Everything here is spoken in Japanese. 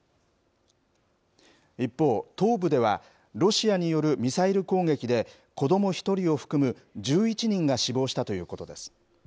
一方、東部ではロシアによるミサイル攻撃で、子ども１人を含む１１人が死亡したということです。